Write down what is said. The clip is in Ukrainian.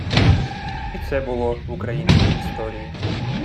І це було в українській історії